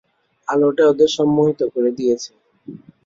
আলোটা ওদের সম্মোহিত করে দিয়েছে।